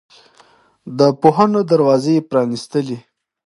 د پوهنو دروازې یې پرانستلې.